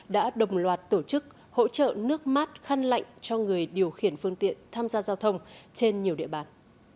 đã đồng loạt tổ chức hỗ trợ nước mát khăn lạnh cho người điều khiển phương tiện tham gia giao thông trên nhiều địa bàn